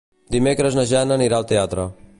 Dimecres na Jana anirà al teatre.